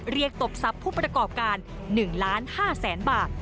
เรียกตบทรัพย์ผู้ประกอบการ๑๕๐๐๐๐๐บาท